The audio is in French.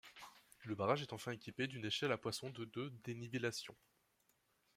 Le barrage est enfin équipé d'une échelle à poissons de de dénivellation.